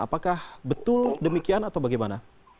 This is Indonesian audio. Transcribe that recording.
apakah betul demikian atau bagaimana